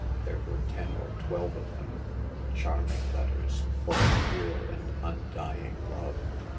There were ten or twelve of them— charming letters, full of pure and undying love.